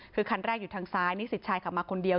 คือคันแรกอยู่ทางซ้ายนิสิตชายขับมาคนเดียว